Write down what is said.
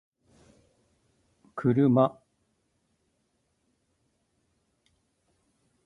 kuruma